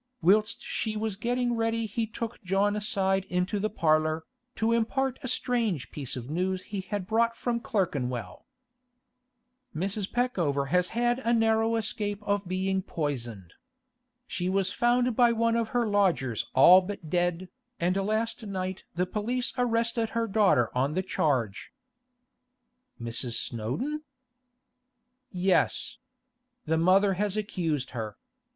Whilst she was getting ready he took John aside into the parlour, to impart a strange piece of news he had brought from Clerkenwell. 'Mrs. Peckover has had a narrow escape of being poisoned. She was found by one of her lodgers all but dead, and last night the police arrested her daughter on the charge.' 'Mrs. Snowdon?' 'Yes. The mother has accused her.